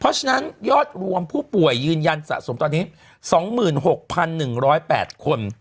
เพราะฉะนั้นยอดรวมผู้ป่วยยืนยันสะสมตอนนี้๒๖๑๐๘คน